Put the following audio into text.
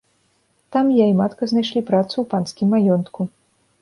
Там я і матка знайшлі працу ў панскім маёнтку.